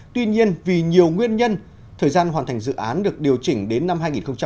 tuy nhiên vì nhiều nguyên nhân thời gian hoàn thành dự án được điều chỉnh đến năm hai nghìn hai mươi